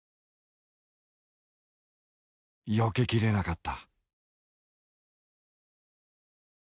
よけきれなかった。